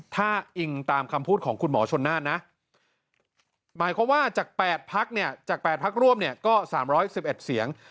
ถ้าอิงตามคำพูดของคุณหมอชนน่านนะหมายความว่าจาก๘พักเนี่ยจาก๘พักร่วมเนี่ยก็๓๑๑เสียง